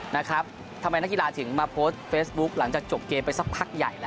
นะครับทำไมนักกีฬาถึงมาโพสต์เฟซบุ๊คหลังจากจบเกมไปสักพักใหญ่แล้ว